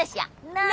なあ！